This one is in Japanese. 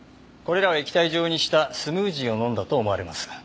これらを液体状にしたスムージーを飲んだと思われます。